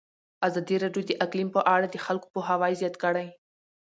ازادي راډیو د اقلیم په اړه د خلکو پوهاوی زیات کړی.